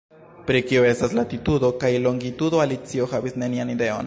Pri kio estas latitudo kaj longitudo Alicio havis nenian ideon.